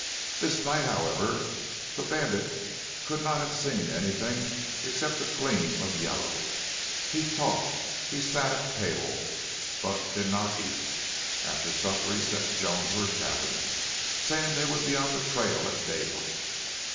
This night, however, the bandit could not have seen anything except a gleam of yellow. He talked, he sat at table, but did not eat. After supper he sent Joan to her cabin, saying they would be on the trail at daylight.